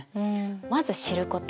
まず知ること